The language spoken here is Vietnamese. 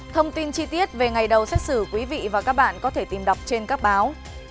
thông tin chi tiết về ngày đầu xét xử quý vị và các bạn có thể tìm đọc trên các báo